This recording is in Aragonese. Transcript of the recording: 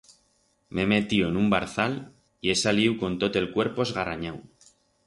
M'he metiu en un barzal y he saliu con tot el cuerpo esgarranyau.